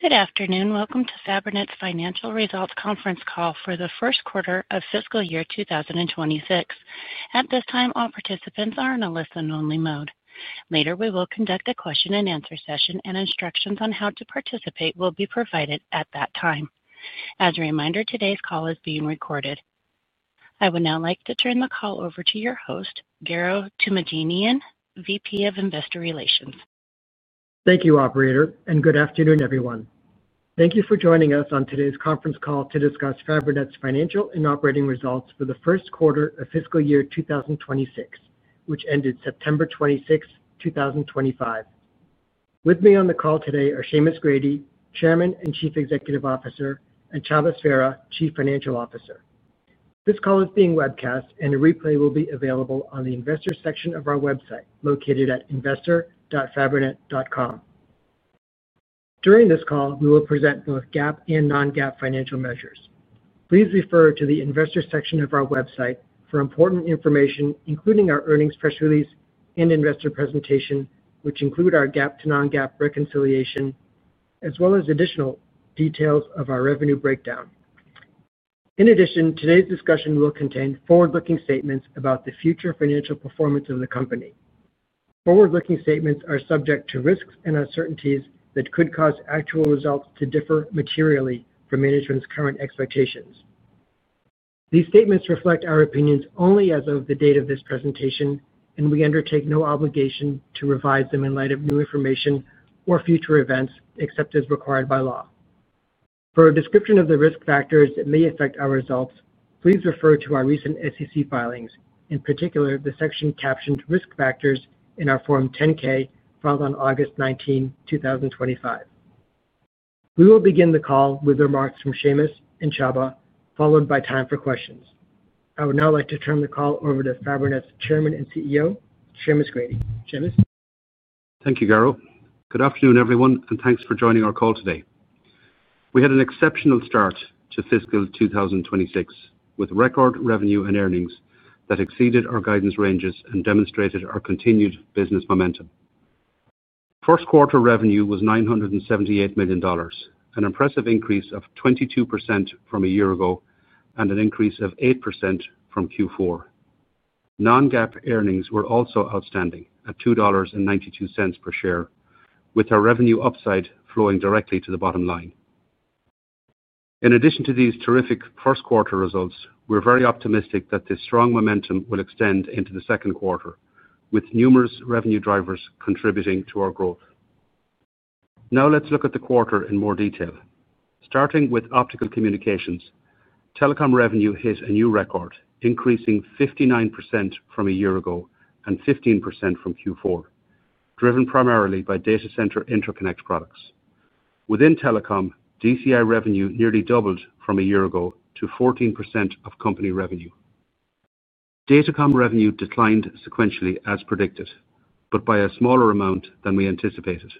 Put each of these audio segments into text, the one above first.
Good afternoon. Welcome to Fabrinet's Financial Results Conference call for the first quarter of fiscal year 2026. At this time, all participants are in a listen-only mode. Later, we will conduct a question-and-answer session, and instructions on how to participate will be provided at that time. As a reminder, today's call is being recorded. I would now like to turn the call over to your host, Garo Toomajanian, VP of Investor Relations. Thank you, Operator, and good afternoon, everyone. Thank you for joining us on today's conference call to discuss Fabrinet's financial and operating results for the first quarter of fiscal year 2026, which ended September 26, 2025. With me on the call today are Seamus Grady, Chairman and Chief Executive Officer, and Csaba Sverha, Chief Financial Officer. This call is being webcast, and a replay will be available on the Investor section of our website located at investor.fabrinet.com. During this call, we will present both GAAP and non-GAAP financial measures. Please refer to the Investor section of our website for important information, including our earnings press release and investor presentation, which include our GAAP to non-GAAP reconciliation, as well as additional details of our revenue breakdown. In addition, today's discussion will contain forward-looking statements about the future financial performance of the company. Forward-looking statements are subject to risks and uncertainties that could cause actual results to differ materially from management's current expectations. These statements reflect our opinions only as of the date of this presentation, and we undertake no obligation to revise them in light of new information or future events except as required by law. For a description of the risk factors that may affect our results, please refer to our recent SEC filings, in particular the section captioned "Risk Factors" in our Form 10-K filed on August 19, 2025. We will begin the call with remarks from Seamus and Csaba, followed by time for questions. I would now like to turn the call over to Fabrinet's Chairman and CEO, Seamus Grady. Seamus? Thank you, Garo. Good afternoon, everyone, and thanks for joining our call today. We had an exceptional start to fiscal 2026 with record revenue and earnings that exceeded our guidance ranges and demonstrated our continued business momentum. First-quarter revenue was $978 million, an impressive increase of 22% from a year ago and an increase of 8% from Q4. Non-GAAP earnings were also outstanding at $2.92 per share, with our revenue upside flowing directly to the bottom line. In addition to these terrific first-quarter results, we're very optimistic that this strong momentum will extend into the second quarter, with numerous revenue drivers contributing to our growth. Now, let's look at the quarter in more detail. Starting with optical communications, Telecom revenue hit a new record, increasing 59% from a year ago and 15% from Q4, driven primarily by data center interconnect products. Within Telecom, DCI revenue nearly doubled from a year ago to 14% of company revenue. DataCom revenue declined sequentially as predicted, but by a smaller amount than we anticipated.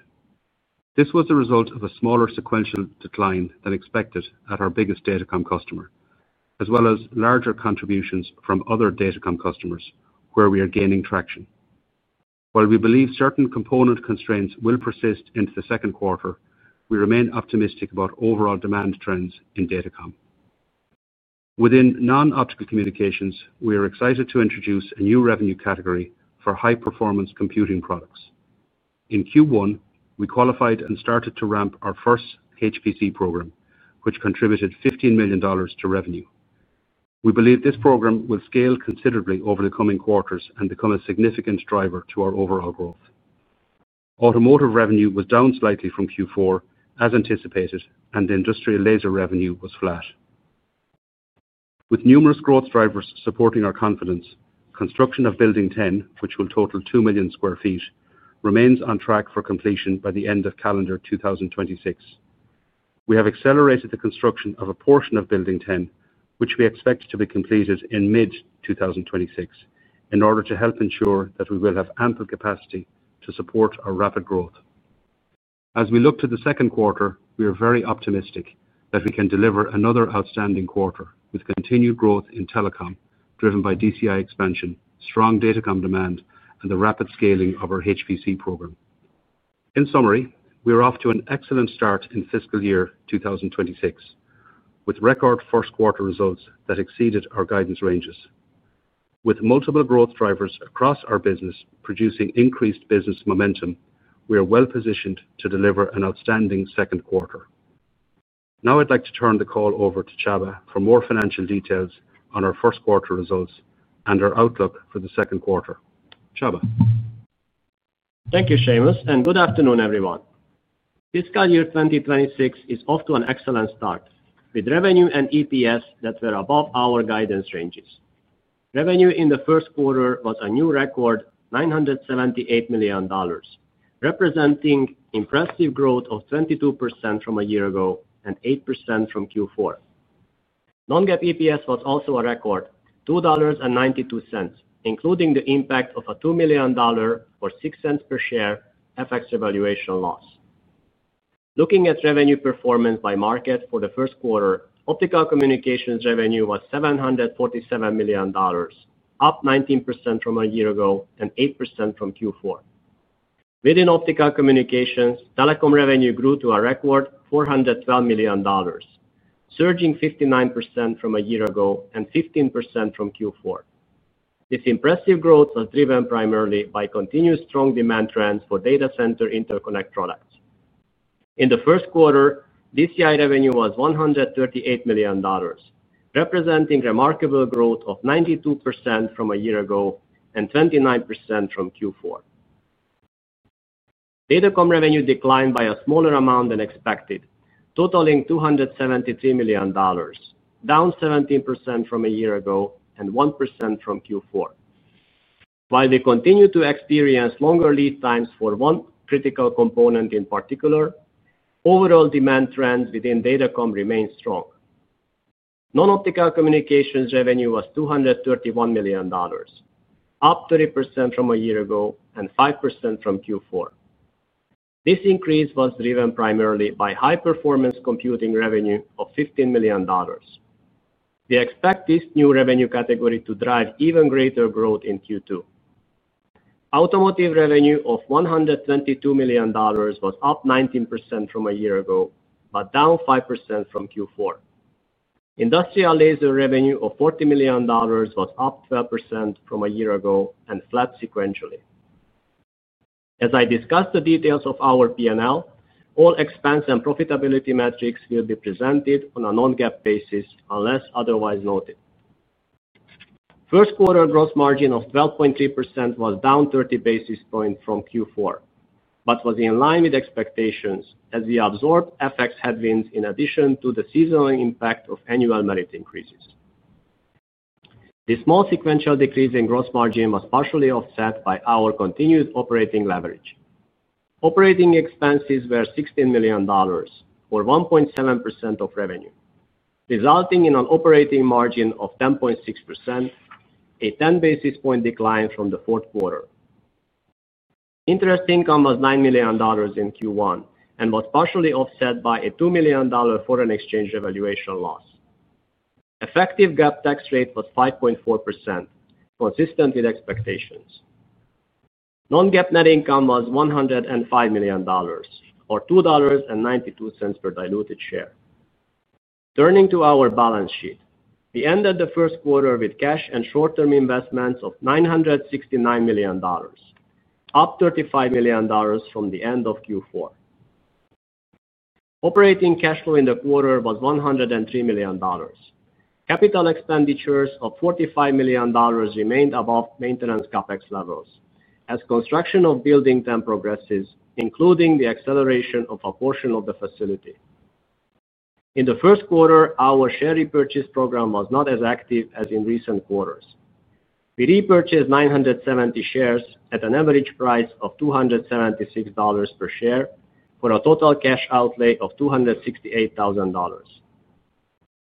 This was the result of a smaller sequential decline than expected at our biggest DataCom customer, as well as larger contributions from other DataCom customers, where we are gaining traction. While we believe certain component constraints will persist into the second quarter, we remain optimistic about overall demand trends in DataCom. Within non-optical communications, we are excited to introduce a new revenue category for high-performance computing products. In Q1, we qualified and started to ramp our first HPC program, which contributed $15 million to revenue. We believe this program will scale considerably over the coming quarters and become a significant driver to our overall growth. Automotive revenue was down slightly from Q4, as anticipated, and the industrial laser revenue was flat. With numerous growth drivers supporting our confidence, construction of Building 10, which will total 2 million sq ft, remains on track for completion by the end of calendar 2026. We have accelerated the construction of a portion of Building 10, which we expect to be completed in mid-2026, in order to help ensure that we will have ample capacity to support our rapid growth. As we look to the second quarter, we are very optimistic that we can deliver another outstanding quarter with continued growth in Telecom driven by DCI expansion, strong DataCom demand, and the rapid scaling of our HPC program. In summary, we are off to an excellent start in fiscal year 2026, with record first-quarter results that exceeded our guidance ranges. With multiple growth drivers across our business producing increased business momentum, we are well-positioned to deliver an outstanding second quarter. Now, I'd like to turn the call over to Csaba for more financial details on our first-quarter results and our outlook for the second quarter. Csaba? Thank you, Seamus, and good afternoon, everyone. Fiscal year 2026 is off to an excellent start, with revenue and EPS that were above our guidance ranges. Revenue in the first quarter was a new record, $978 million, representing impressive growth of 22% from a year ago and 8% from Q4. Non-GAAP EPS was also a record, $2.92, including the impact of a $2 million or $0.06 per share FX evaluation loss. Looking at revenue performance by market for the first quarter, optical communications revenue was $747 million, up 19% from a year ago and 8% from Q4. Within optical communications, Telecom revenue grew to a record $412 million, surging 59% from a year ago and 15% from Q4. This impressive growth was driven primarily by continued strong demand trends for data center interconnect products. In the first quarter, DCI revenue was $138 million, representing remarkable growth of 92% from a year ago and 29% from Q4. DataCom revenue declined by a smaller amount than expected, totaling $273 million, down 17% from a year ago and 1% from Q4, while we continue to experience longer lead times for one critical component in particular. Overall demand trends within DataCom remain strong. Non-optical communications revenue was $231 million, up 3% from a year ago and 5% from Q4. This increase was driven primarily by high-performance computing revenue of $15 million. We expect this new revenue category to drive even greater growth in Q2. Automotive revenue of $122 million was up 19% from a year ago but down 5% from Q4. Industrial laser revenue of $40 million was up 12% from a year ago and flat sequentially. As I discuss the details of our P&L, all expense and profitability metrics will be presented on a non-GAAP basis unless otherwise noted. First-quarter gross margin of 12.3% was down 30 basis points from Q4 but was in line with expectations as we absorbed FX headwinds in addition to the seasonal impact of annual merit increases. The small sequential decrease in gross margin was partially offset by our continued operating leverage. Operating expenses were $16 million, or 1.7% of revenue, resulting in an operating margin of 10.6%, a 10 basis point decline from the fourth quarter. Interest income was $9 million in Q1 and was partially offset by a $2 million foreign exchange evaluation loss. Effective GAAP tax rate was 5.4%, consistent with expectations. Non-GAAP net income was $105 million, or $2.92 per diluted share. Turning to our balance sheet, we ended the first quarter with cash and short-term investments of $969 million, up $35 million from the end of Q4. Operating cash flow in the quarter was $103 million. Capital expenditures of $45 million remained above maintenance CapEx levels as construction of Building 10 progresses, including the acceleration of a portion of the facility. In the first quarter, our share repurchase program was not as active as in recent quarters. We repurchased 970 shares at an average price of $276 per share for a total cash outlay of $268,000.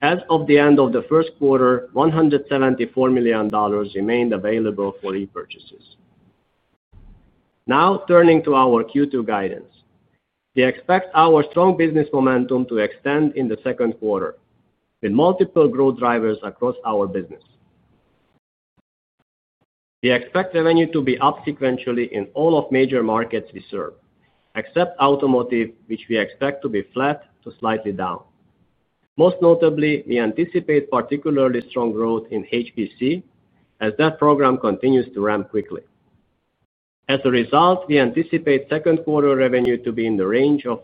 As of the end of the first quarter, $174 million remained available for repurchases. Now, turning to our Q2 guidance, we expect our strong business momentum to extend in the second quarter with multiple growth drivers across our business. We expect revenue to be up sequentially in all of the major markets we serve, except automotive, which we expect to be flat to slightly down. Most notably, we anticipate particularly strong growth in HPC as that program continues to ramp quickly. As a result, we anticipate second-quarter revenue to be in the range of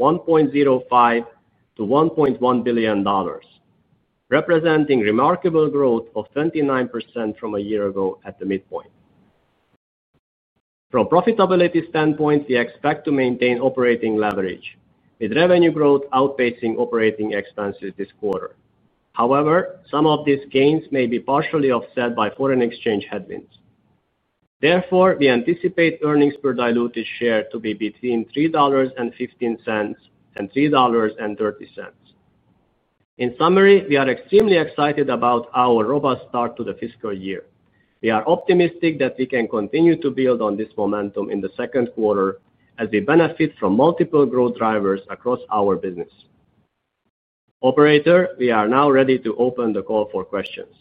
$1.05 billion-$1.1 billion, representing remarkable growth of 29% from a year ago at the midpoint. From a profitability standpoint, we expect to maintain operating leverage, with revenue growth outpacing operating expenses this quarter. However, some of these gains may be partially offset by foreign exchange headwinds. Therefore, we anticipate earnings per diluted share to be between $3.15 and $3.30. In summary, we are extremely excited about our robust start to the fiscal year. We are optimistic that we can continue to build on this momentum in the second quarter as we benefit from multiple growth drivers across our business. Operator, we are now ready to open the call for questions.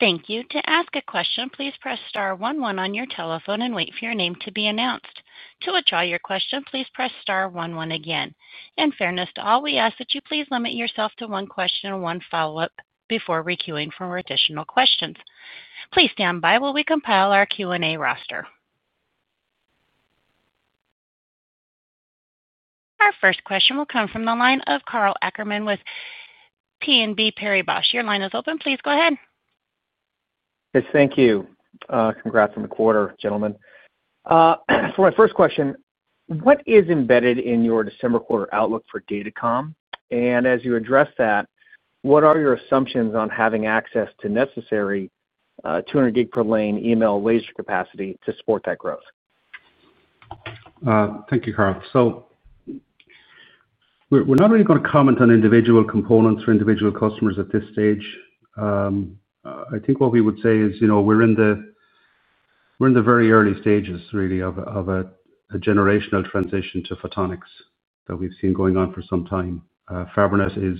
Thank you. To ask a question, please press star one one on your telephone and wait for your name to be announced. To withdraw your question, please press star one one again. In fairness to all, we ask that you please limit yourself to one question and one follow-up before requeuing for additional questions. Please stand by while we compile our Q&A roster. Our first question will come from the line of Karl Ackerman with BNP Paribas. Your line is open. Please go ahead. Yes, thank you. Congrats on the quarter, gentlemen. For my first question, what is embedded in your December quarter outlook for DataCom? As you address that, what are your assumptions on having access to necessary 200 Gbps per lane EML laser capacity to support that growth? Thank you, Karl. We're not really going to comment on individual components for individual customers at this stage. I think what we would say is we're in the very early stages, really, of a generational transition to photonics that we've seen going on for some time. Fabrinet is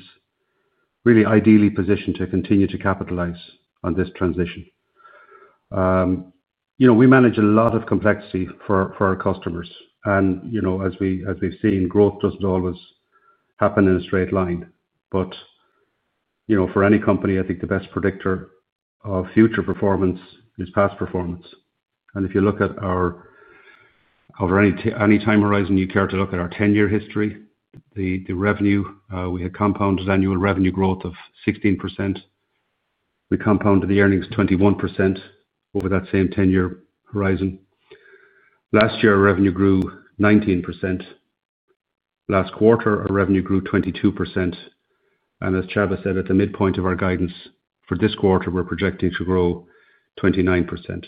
really ideally positioned to continue to capitalize on this transition. We manage a lot of complexity for our customers. As we've seen, growth doesn't always happen in a straight line. For any company, I think the best predictor of future performance is past performance. If you look at our, over any time horizon you care to look at, our 10-year history, the revenue, we had compounded annual revenue growth of 16%. We compounded the earnings 21% over that same 10-year horizon. Last year, our revenue grew 19%. Last quarter, our revenue grew 22%. As Csaba said, at the midpoint of our guidance for this quarter, we're projecting to grow 29%.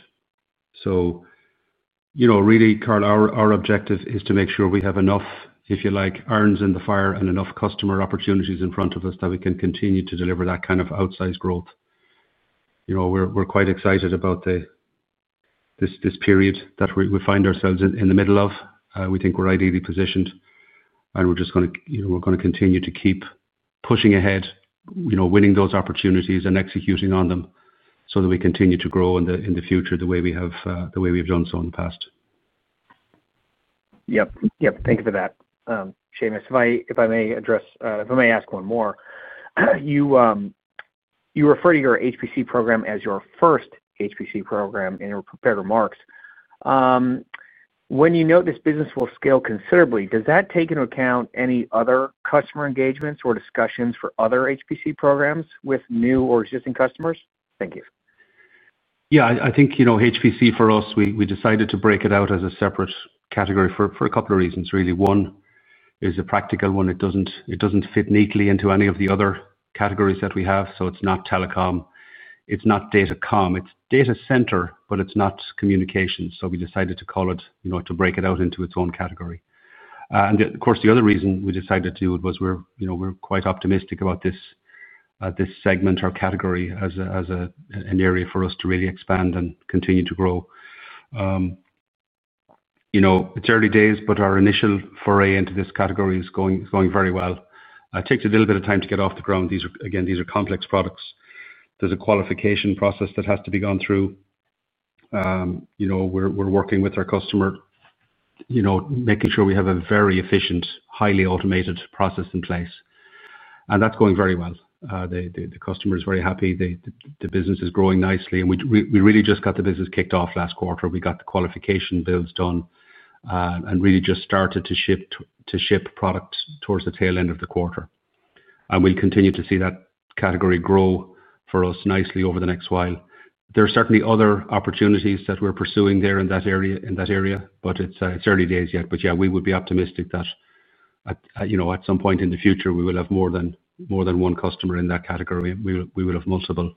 Really, Karl, our objective is to make sure we have enough, if you like, irons in the fire and enough customer opportunities in front of us that we can continue to deliver that kind of outsized growth. We're quite excited about this period that we find ourselves in the middle of. We think we're ideally positioned, and we're going to continue to keep pushing ahead, winning those opportunities, and executing on them so that we continue to grow in the future the way we have done so in the past. Yep. Yep. Thank you for that. Seamus, if I may ask one more. You refer to your HPC program as your first HPC program in your prepared remarks. When you note this business will scale considerably, does that take into account any other customer engagements or discussions for other HPC programs with new or existing customers? Thank you. Yeah. I think HPC, for us, we decided to break it out as a separate category for a couple of reasons, really. One is a practical one. It does not fit neatly into any of the other categories that we have. It is not Telecom. It is not DataCom. It is data center, but it is not communications. We decided to call it, to break it out into its own category. The other reason we decided to do it was we are quite optimistic about this segment, our category, as an area for us to really expand and continue to grow. It is early days, but our initial foray into this category is going very well. It takes a little bit of time to get off the ground. These are complex products. There is a qualification process that has to be gone through. We are working with our customer, making sure we have a very efficient, highly automated process in place. That is going very well. The customer is very happy. The business is growing nicely. We really just got the business kicked off last quarter. We got the qualification builds done and really just started to ship product towards the tail end of the quarter. We will continue to see that category grow for us nicely over the next while. There are certainly other opportunities that we are pursuing there in that area. It is early days yet. We would be optimistic that at some point in the future, we will have more than one customer in that category. We will have multiple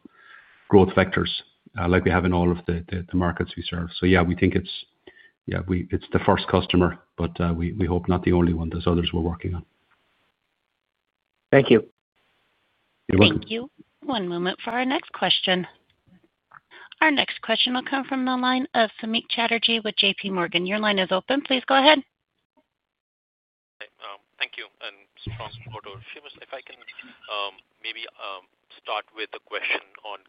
growth vectors like we have in all of the markets we serve. We think it is the first customer, but we hope not the only one. There are others we are working on. Thank you. You're welcome. Thank you. One moment for our next question. Our next question will come from the line of Samik Chatterjee with JPMorgan. Your line is open. Please go ahead. Thank you. Seamus, if I can maybe start with a question on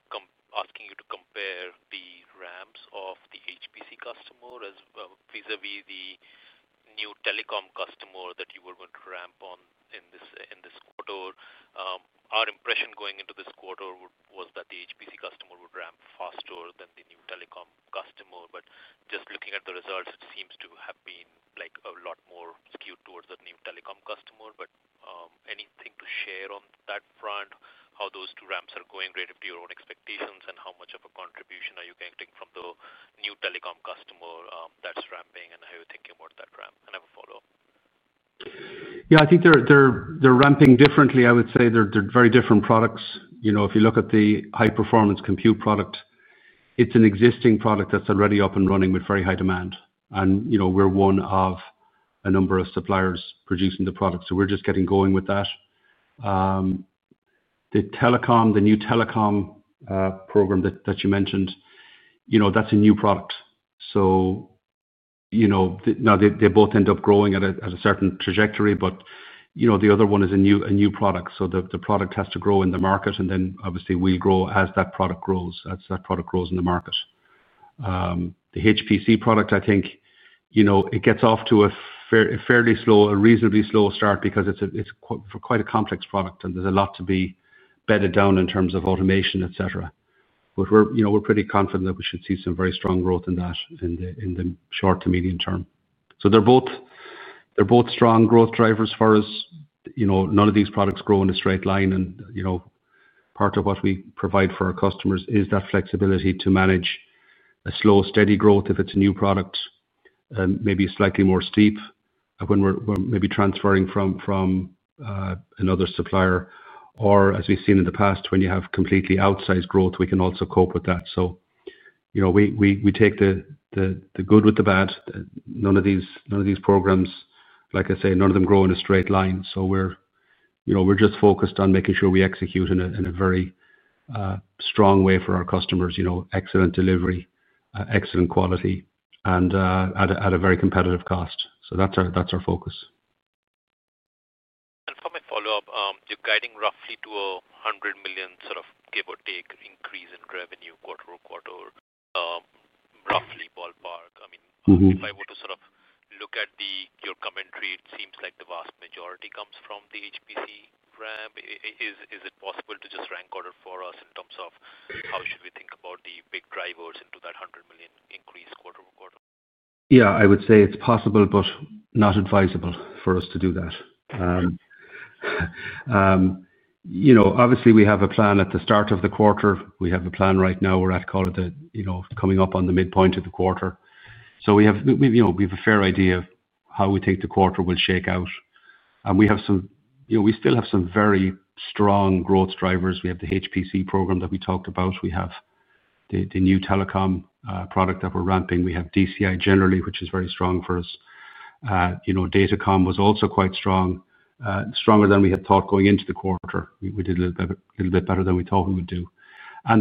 asking you to compare the ramps of the HPC customer vis-à-vis the new Telecom customer that you were going to ramp on in this quarter. Our impression going into this quarter was that the HPC customer would ramp faster than the new Telecom customer. Just looking at the results, it seems to have been a lot more skewed towards the new Telecom customer. Anything to share on that front, how those two ramps are going relative to your own expectations, and how much of a contribution are you getting from the new Telecom customer that's ramping, and how you're thinking about that ramp and have a follow-up? Yeah. I think they're ramping differently. I would say they're very different products. If you look at the high-performance compute product, it's an existing product that's already up and running with very high demand. And we're one of a number of suppliers producing the product. So we're just getting going with that. The Telecom, the new Telecom program that you mentioned, that's a new product. Now, they both end up growing at a certain trajectory, but the other one is a new product. The product has to grow in the market, and then obviously, we'll grow as that product grows, as that product grows in the market. The HPC product, I think, gets off to a fairly slow, a reasonably slow start because it's quite a complex product, and there's a lot to be bedded down in terms of automation, etc. But we're pretty confident that we should see some very strong growth in that in the short to medium term. They're both strong growth drivers for us. None of these products grow in a straight line. Part of what we provide for our customers is that flexibility to manage a slow, steady growth if it's a new product, maybe slightly more steep when we're maybe transferring from another supplier. Or as we've seen in the past, when you have completely outsized growth, we can also cope with that. We take the good with the bad. None of these programs, like I say, none of them grow in a straight line. We're just focused on making sure we execute in a very strong way for our customers: excellent delivery, excellent quality, and at a very competitive cost. That's our focus. For my follow-up, you're guiding roughly to a $100 million sort of give or take increase in revenue quarter over quarter. Roughly ballpark. I mean, if I were to sort of look at your commentary, it seems like the vast majority comes from the HPC ramp. Is it possible to just rank order for us in terms of how should we think about the big drivers into that $100 million increase quarter over quarter? Yeah. I would say it's possible, but not advisable for us to do that. Obviously, we have a plan at the start of the quarter. We have a plan right now. We're at, call it, coming up on the midpoint of the quarter. We have a fair idea of how we think the quarter will shake out. We have some—we still have some very strong growth drivers. We have the HPC program that we talked about. We have the new Telecom product that we're ramping. We have DCI generally, which is very strong for us. DataCom was also quite strong, stronger than we had thought going into the quarter. We did a little bit better than we thought we would do. There are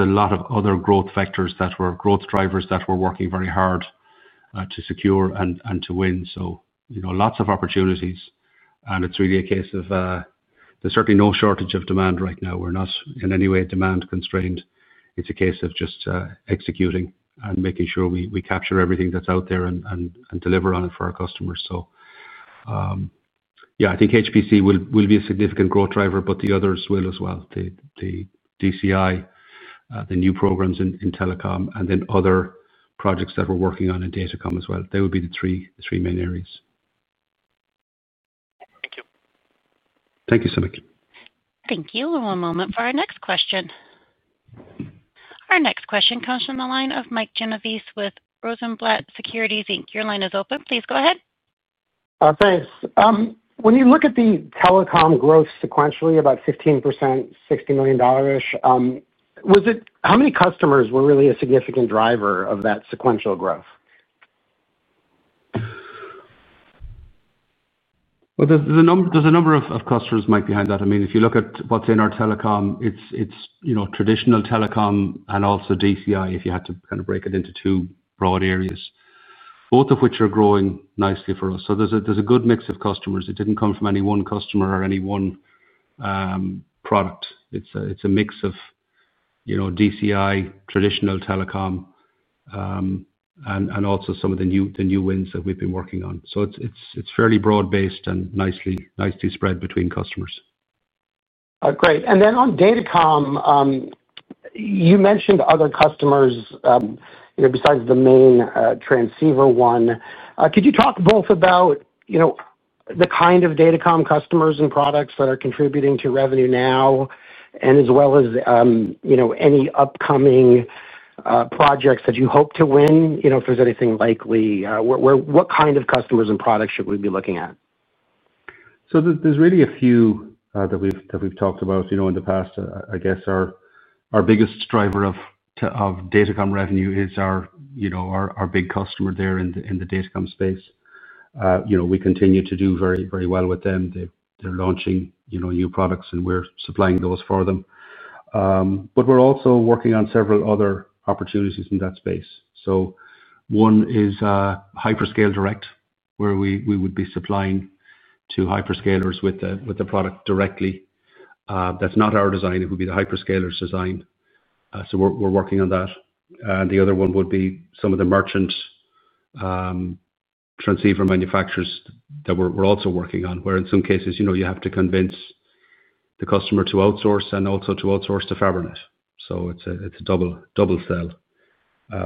a lot of other growth factors that were growth drivers that we're working very hard to secure and to win. Lots of opportunities. It's really a case of—there's certainly no shortage of demand right now. We're not in any way demand constrained. It's a case of just executing and making sure we capture everything that's out there and deliver on it for our customers. Yeah, I think HPC will be a significant growth driver, but the others will as well: the DCI, the new programs in Telecom, and then other projects that we're working on in DataCom as well. They would be the three main areas. Thank you. Thank you, Samik. Thank you. One moment for our next question. Our next question comes from the line of Mike Genovese with Rosenblatt Securities Inc. Your line is open. Please go ahead. Thanks. When you look at the Telecom growth sequentially, about 15%, $60 million-ish. How many customers were really a significant driver of that sequential growth? There is a number of customers behind that. I mean, if you look at what is in our Telecom, it is traditional Telecom and also DCI, if you had to kind of break it into two broad areas, both of which are growing nicely for us. There is a good mix of customers. It did not come from any one customer or any one product. It is a mix of DCI, traditional Telecom, and also some of the new wins that we have been working on. It is fairly broad-based and nicely spread between customers. Great. Then on DataCom, you mentioned other customers. Besides the main transceiver one, could you talk both about the kind of DataCom customers and products that are contributing to revenue now, as well as any upcoming projects that you hope to win? If there's anything likely, what kind of customers and products should we be looking at? There are really a few that we've talked about in the past. I guess our biggest driver of DataCom revenue is our big customer there in the DataCom space. We continue to do very well with them. They're launching new products, and we're supplying those for them. We're also working on several other opportunities in that space. One is Hyperscale Direct, where we would be supplying to Hyperscalers with the product directly. That's not our design. It would be the Hyperscalers' design. We're working on that. The other one would be some of the merchant transceiver manufacturers that we're also working on, where in some cases, you have to convince the customer to outsource and also to outsource to Fabrinet. It's a double sell.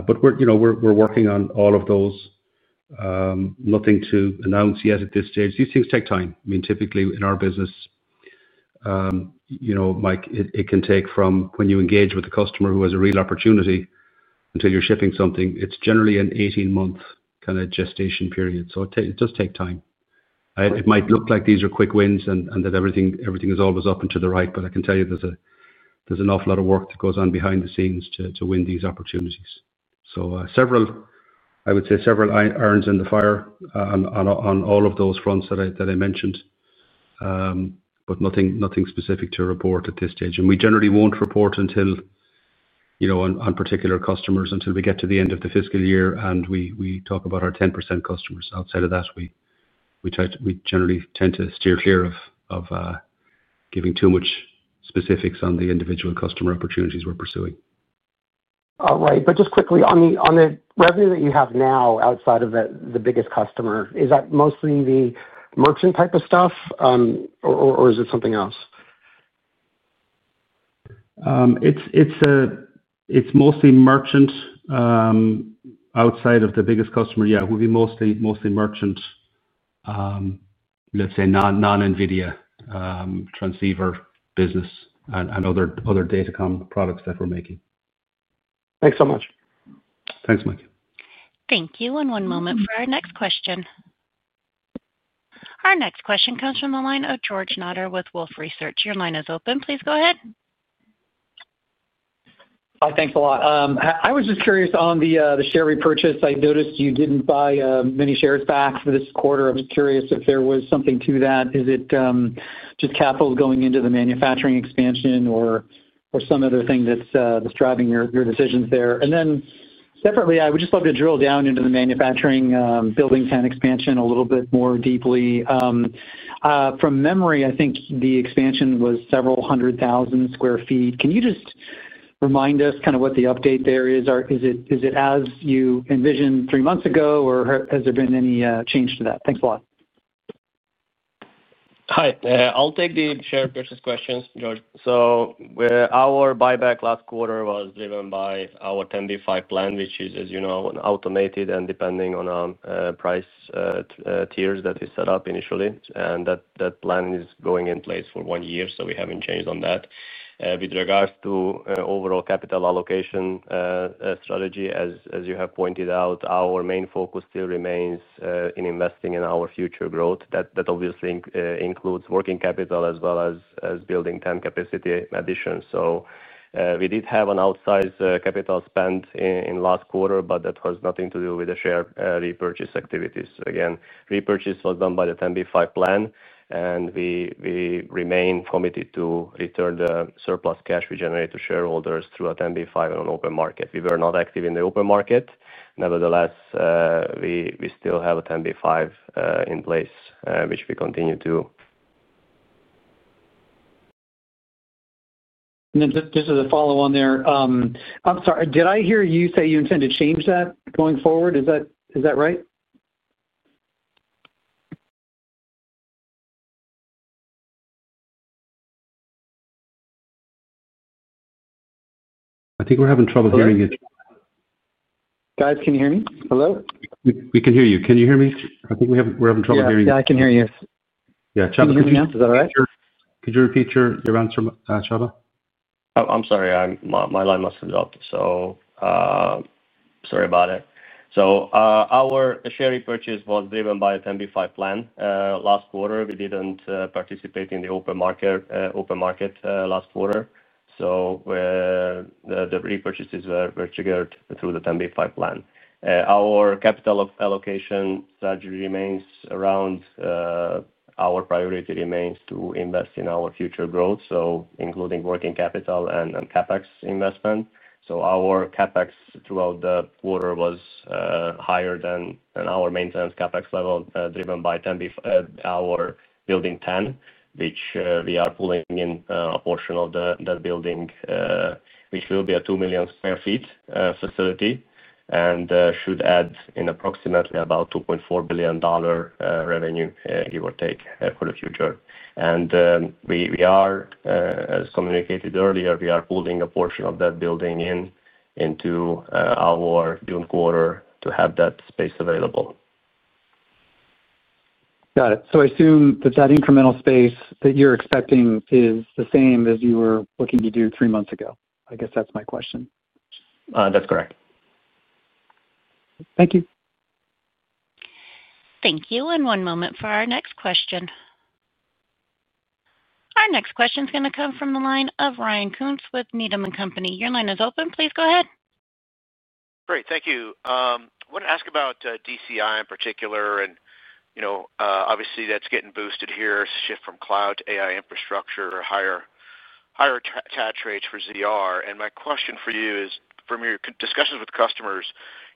We're working on all of those. Nothing to announce yet at this stage. These things take time. I mean, typically, in our business, Mike, it can take from when you engage with the customer who has a real opportunity until you're shipping something. It's generally an 18-month kind of gestation period. It does take time. It might look like these are quick wins and that everything is always up and to the right, but I can tell you there's an awful lot of work that goes on behind the scenes to win these opportunities. I would say several irons in the fire on all of those fronts that I mentioned, but nothing specific to report at this stage. We generally won't report on particular customers until we get to the end of the fiscal year, and we talk about our 10% customers. Outside of that, we generally tend to steer clear of giving too much specifics on the individual customer opportunities we're pursuing. All right. Just quickly, on the revenue that you have now outside of the biggest customer, is that mostly the merchant type of stuff, or is it something else? It's mostly merchant. Outside of the biggest customer, yeah, it would be mostly merchant. Let's say non-Nvidia. Transceiver business and other DataCom products that we're making. Thanks so much. Thanks, Mike. Thank you. One moment for our next question. Our next question comes from the line of George Notter with Wolfe Research. Your line is open. Please go ahead. Hi. Thanks a lot. I was just curious on the share repurchase. I noticed you didn't buy many shares back for this quarter. I'm curious if there was something to that. Is it just capital going into the manufacturing expansion or some other thing that's driving your decisions there? Separately, I would just love to drill down into the manufacturing Building 10 expansion a little bit more deeply. From memory, I think the expansion was several hundred thousand square feet. Can you just remind us kind of what the update there is? Is it as you envisioned three months ago, or has there been any change to that? Thanks a lot. Hi. I'll take the share purchase questions, George. Our buyback last quarter was driven by our 10b5-1 Plan, which is, as you know, automated and depending on price tiers that we set up initially. That plan is going in place for one year, so we haven't changed on that. With regards to overall capital allocation strategy, as you have pointed out, our main focus still remains in investing in our future growth. That obviously includes working capital as well as Building 10 capacity additions. We did have an outsized capital spend in last quarter, but that has nothing to do with the share repurchase activities. Again, repurchase was done by the 10b5-1 Plan, and we remain committed to return the surplus cash we generate to shareholders through a 10b5-1 on open market. We were not active in the open market. Nevertheless, we still have a 10b5-1 in place, which we continue to. Just as a follow-on there, I'm sorry, did I hear you say you intend to change that going forward? Is that right? I think we're having trouble hearing you. Guys, can you hear me? Hello? We can hear you. Can you hear me? I think we are having trouble hearing you. Yeah. I can hear you. Yeah. Csaba, Could you repeat your answer, Csaba? I'm sorry. My line must have dropped. Sorry about it. Our share repurchase was driven by a 10b5-1 Plan. Last quarter, we did not participate in the open market. The repurchases were triggered through the 10b5-1 Plan. Our capital allocation strategy remains around. Our priority remains to invest in our future growth, including working capital and CapEx investment. Our CapEx throughout the quarter was higher than our maintenance CapEx level, driven by our Building 10, which we are pulling in a portion of that building, which will be a 2 million sq ft facility and should add in approximately about $2.4 billion revenue, give or take, for the future. We are, as communicated earlier, pulling a portion of that building into our June quarter to have that space available. Got it. I assume that that incremental space that you're expecting is the same as you were looking to do three months ago. I guess that's my question. That's correct. Thank you. Thank you. One moment for our next question. Our next question is going to come from the line of Ryan Koontz with Needham & Company. Your line is open. Please go ahead. Great. Thank you. I want to ask about DCI in particular. Obviously, that's getting boosted here, shift from cloud to AI infrastructure, higher tax rates for ZR. My question for you is, from your discussions with customers,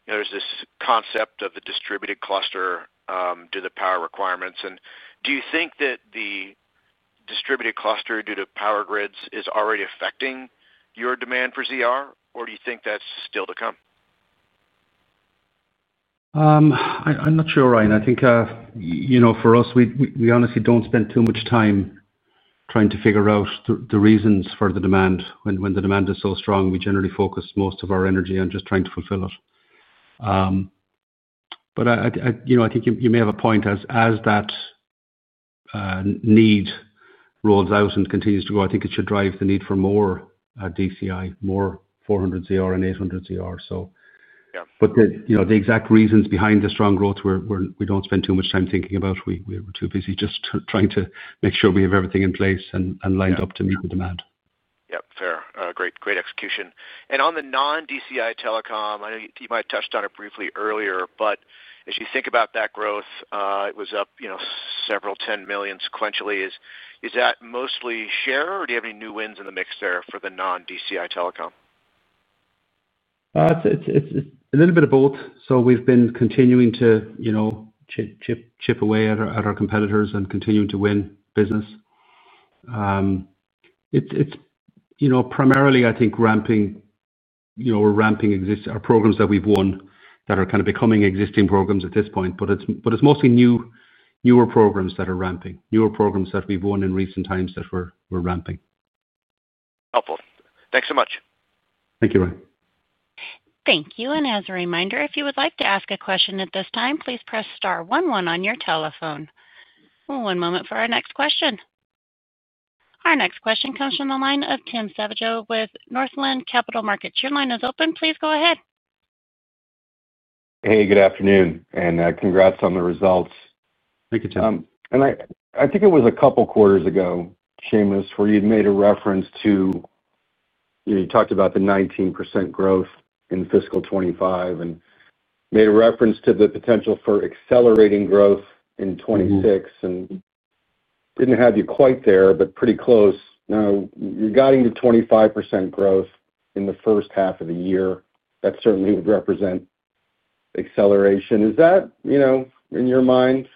there's this concept of the distributed cluster due to power requirements. Do you think that the distributed cluster due to power grids is already affecting your demand for ZR, or do you think that's still to come? I'm not sure, Ryan. I think for us, we honestly don't spend too much time trying to figure out the reasons for the demand. When the demand is so strong, we generally focus most of our energy on just trying to fulfill it. I think you may have a point. As that need rolls out and continues to grow, I think it should drive the need for more DCI, more 400ZR and 800ZR. The exact reasons behind the strong growth, we don't spend too much time thinking about. We're too busy just trying to make sure we have everything in place and lined up to meet the demand. Yep. Fair. Great execution. On the non-DCI Telecom, I know you might have touched on it briefly earlier, but as you think about that growth, it was up several $10 million sequentially. Is that mostly share, or do you have any new wins in the mix there for the non-DCI Telecom? It's a little bit of both. We've been continuing to chip away at our competitors and continuing to win business. It's primarily, I think, ramping our programs that we've won that are kind of becoming existing programs at this point. It's mostly newer programs that are ramping, newer programs that we've won in recent times that we're ramping. Helpful. Thanks so much. Thank you, Ryan. Thank you. As a reminder, if you would like to ask a question at this time, please press star one one on your telephone. One moment for our next question. Our next question comes from the line of Tim Savageaux with Northland Capital Markets. Your line is open. Please go ahead. Hey, good afternoon. Congrats on the results. Thank you, Tim. I think it was a couple of quarters ago, Seamus, where you had made a reference to—you talked about the 19% growth in fiscal 2025 and made a reference to the potential for accelerating growth in 2026. I did not have you quite there, but pretty close. Now, regarding the 25% growth in the first half of the year, that certainly would represent acceleration. Is that, in your mind,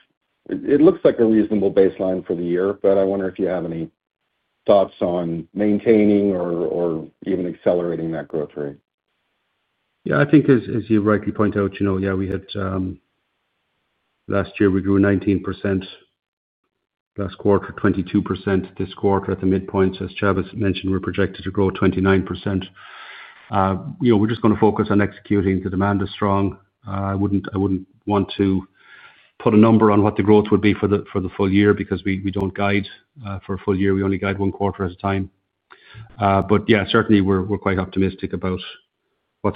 it looks like a reasonable baseline for the year, but I wonder if you have any thoughts on maintaining or even accelerating that growth rate. Yeah. I think, as you rightly point out, we had last year, we grew 19%. Last quarter, 22%. This quarter, at the midpoint, as Csaba mentioned, we're projected to grow 29%. We're just going to focus on executing. The demand is strong. I wouldn't want to put a number on what the growth would be for the full year because we don't guide for a full year. We only guide one quarter at a time. Yeah, certainly, we're quite optimistic about what's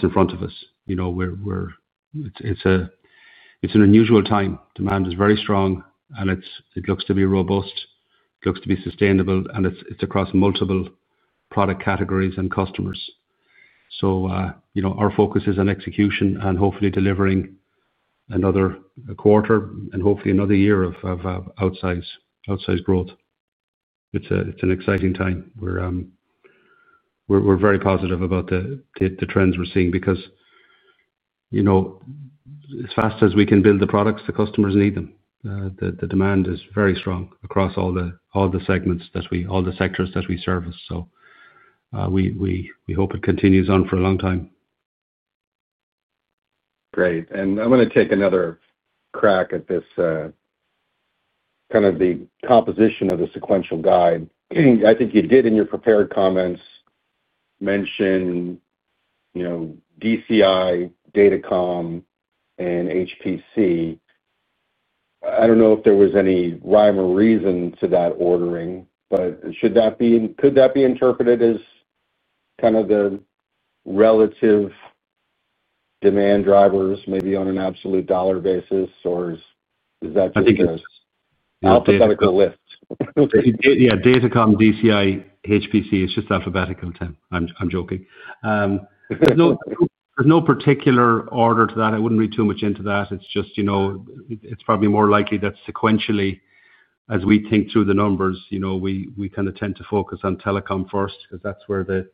in front of us. It's an unusual time. Demand is very strong, and it looks to be robust. It looks to be sustainable, and it's across multiple product categories and customers. Our focus is on execution and hopefully delivering another quarter and hopefully another year of outsized growth. It's an exciting time. We're very positive about the trends we're seeing because as fast as we can build the products, the customers need them. The demand is very strong across all the segments that we, all the sectors that we service. We hope it continues on for a long time. Great. I'm going to take another crack at this. Kind of the composition of the sequential guide. I think you did, in your prepared comments, mention DCI, DataCom, and HPC. I don't know if there was any rhyme or reason to that ordering, but should that be, could that be interpreted as kind of the relative demand drivers, maybe on an absolute dollar basis, or is that just an alphabetical list? Yeah. DataCom, DCI, HPC. It's just alphabetical, Tim. I'm joking. There's no particular order to that. I wouldn't read too much into that. It's just. It's probably more likely that sequentially, as we think through the numbers, we kind of tend to focus on Telecom first because that's where the,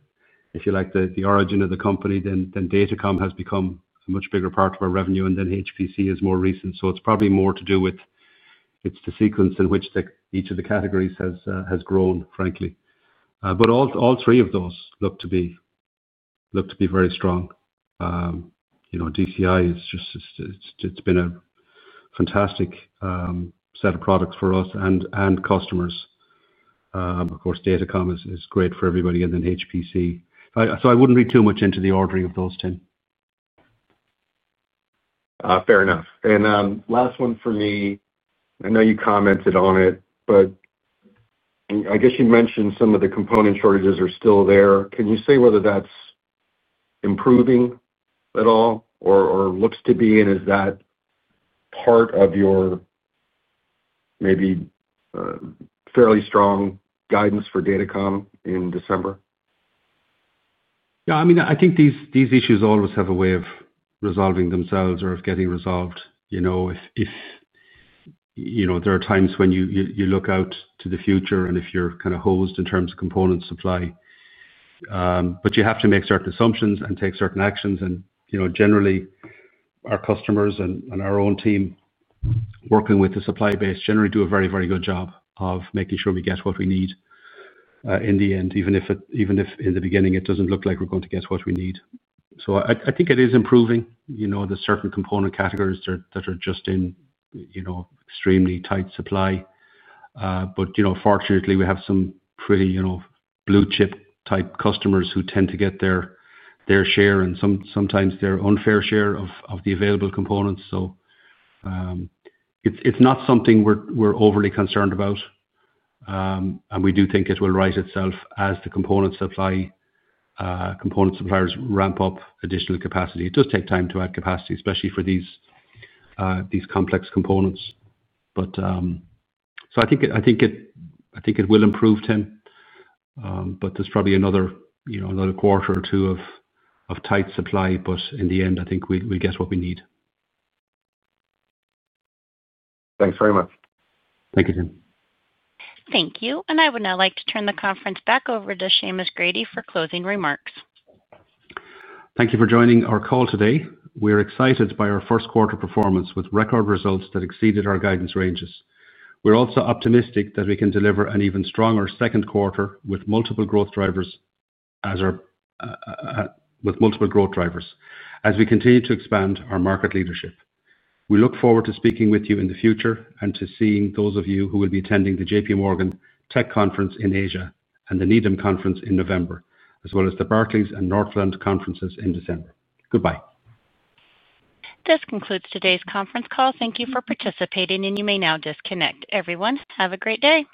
if you like, the origin of the company. Then DataCom has become a much bigger part of our revenue, and then HPC is more recent. It's probably more to do with. It's the sequence in which each of the categories has grown, frankly. All three of those look to be very strong. DCI, it's been a fantastic set of products for us and customers. Of course, DataCom is great for everybody. Then HPC. I wouldn't read too much into the ordering of those, Tim. Fair enough. Last one for me. I know you commented on it, but I guess you mentioned some of the component shortages are still there. Can you say whether that's improving at all or looks to be? Is that part of your maybe fairly strong guidance for DataCom in December? Yeah. I mean, I think these issues always have a way of resolving themselves or of getting resolved. There are times when you look out to the future and if you're kind of hosed in terms of component supply, you have to make certain assumptions and take certain actions. Generally, our customers and our own team, working with the supply base, generally do a very, very good job of making sure we get what we need in the end, even if in the beginning it doesn't look like we're going to get what we need. I think it is improving. There are certain component categories that are just in extremely tight supply. Fortunately, we have some pretty blue-chip type customers who tend to get their share and sometimes their unfair share of the available components. It's not something we're overly concerned about. We do think it will right itself as the component suppliers ramp up additional capacity. It does take time to add capacity, especially for these complex components. I think it will improve, Tim. There's probably another quarter or two of tight supply. In the end, I think we'll get what we need. Thanks very much. Thank you, Tim. Thank you. I would now like to turn the conference back over to Seamus Grady for closing remarks. Thank you for joining our call today. We're excited by our first quarter performance with record results that exceeded our guidance ranges. We're also optimistic that we can deliver an even stronger second quarter with multiple growth drivers as we continue to expand our market leadership. We look forward to speaking with you in the future and to seeing those of you who will be attending the JPMorgan Tech Conference in Asia and the Needham Conference in November, as well as the Barclays and Northland Conferences in December. Goodbye. This concludes today's conference call. Thank you for participating, and you may now disconnect. Everyone, have a great day.